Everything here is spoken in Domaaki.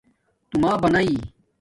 توما بناݵ